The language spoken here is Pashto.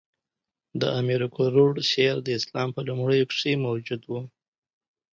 د امیر کروړ شعر د اسلام په لومړیو کښي موجود وو.